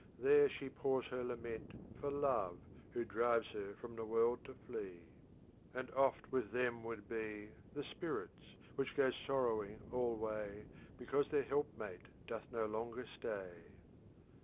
There she pours her lament For Love who drives her from the world to flee; And oft with them would be, *" The spirits, which go sorrowing alway. Because their help mate doth no longer stay.